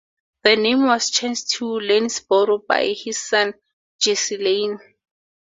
The name was changed to Lanesboro by his son Jesse Lane.